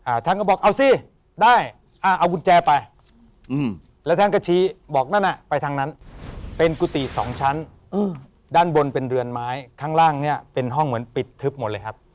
ท่านก็บอกเอาสิได้อ่าเอากุญแจไปอืมแล้วท่านก็ชี้บอกนั่นอ่ะไปทางนั้นเป็นกุฏิสองชั้นอืมด้านบนเป็นเรือนไม้ข้างล่างเนี้ยเป็นห้องเหมือนปิดทึบหมดเลยครับ